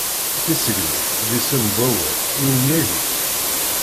Tisegnit d isem n wallal, i umyag-is?